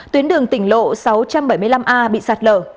tuyến đường tỉnh lộ sáu trăm bảy mươi năm a bị sạt lở